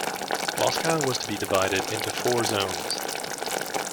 Moscow was to be divided into four zones.